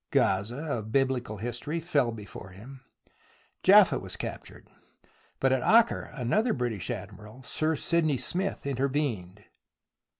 Gazah, of Biblical history, fell before him, Jaffa was captured, but at Acre another British Admiral, Sir Sydney Smith, intervened.